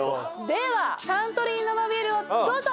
ではサントリー生ビールをどうぞ！